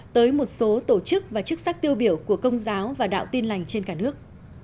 tới một số tổ chức và chức sắc tiêu biểu của công giáo và đạo tin lành trên cả nước